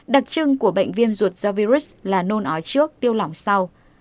đặc trưng của bệnh viêm ruột do virus là nôn ói trước tiêu lỏng sau